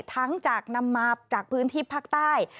ทั้งจากนำมาจากพื้นที่ภาคใต้